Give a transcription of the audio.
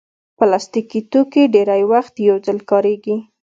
پلاستيکي توکي ډېری وخت یو ځل کارېږي.